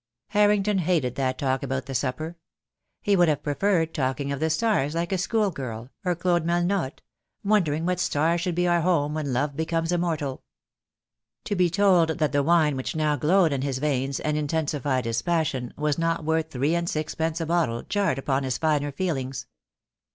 Harrington hated that talk about the supper. He would have preferred talking of the stars like a school girl, or Claude Melnotte, "wondering what star should be our home when love becomes immortal." To be told THE DAY WILL COME. 235 that the wine which now glowed in his veins and intensi fied his passion was not worth three and sixpence a bottle jarred upon his finer feelings.